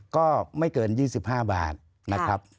ก็ไม่เกิน๒๕บาทนะครับ